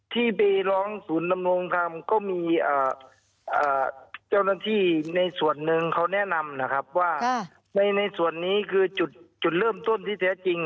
ที่ไปร้องศูนย์ดำรงธรรมก็มีเจ้าหน้าที่ในส่วนหนึ่งเขาแนะนำนะครับว่าในส่วนนี้คือจุดเริ่มต้นที่แท้จริง